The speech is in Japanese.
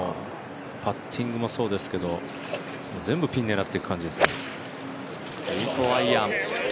パッティングもそうですけど全部ピンを狙っていく感じですね。